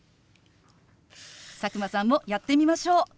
佐久間さんもやってみましょう。